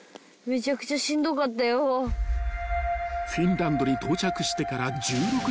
［フィンランドに到着してから１６時間］